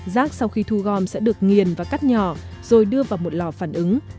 rác sau khi thu gom sẽ được nghiền và cắt nhỏ rồi đưa vào một lò phản ứng